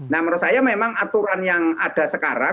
nah menurut saya memang aturan yang ada sekarang